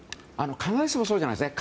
必ずしもそうじゃないですね。